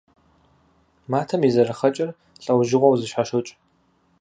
Матэм и зэрыхъэкӏэр лӏэужьыгъуэу зэщхьэщокӏ.